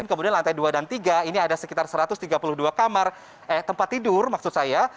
kemudian lantai dua dan tiga ini ada sekitar satu ratus tiga puluh dua kamar eh tempat tidur maksud saya